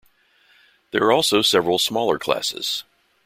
There are also several smaller classes.